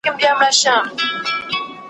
دا لا څه چي ټول دروغ وي ټول ریا وي `